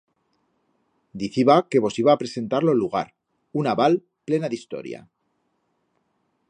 Diciba que vos iba a presentar lo lugar, una val plena d'historia.